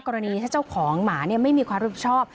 กรณีถ้าเจ้าของหมาไม่มีความรับผิดชอบ